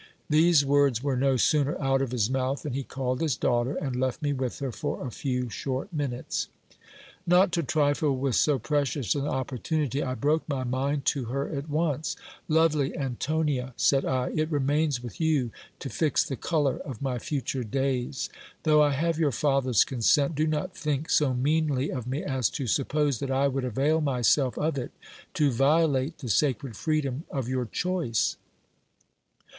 These words were no sooner out of his mouth than he called his daughter, and left me with her for a few short minutes. Not to trifle with so precious an opportunity, I broke my mind to her at once : Lovely Antonia, said I, it remains with you to fix the colour of my future days. Though I have your father's consent, do not think so meanly of me as to sup pose that I would avail myself of it to violate the sacred freedom of your choice.